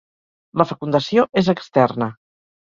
La fecundació és externa.